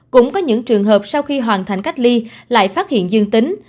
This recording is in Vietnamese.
cũng có những trường hợp sau khi hoàn thành cách ly lại phát hiện dương tính